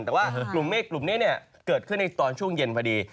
แต่ว่ากลุ่มเมฆกลุ่มนี้เกิดขึ้นในตอนช่วงเย็นพอดี